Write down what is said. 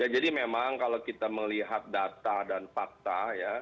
jadi memang kalau kita melihat data dan fakta